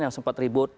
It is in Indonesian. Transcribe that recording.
yang sempat ribut